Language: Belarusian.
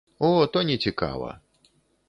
О, то не цікава.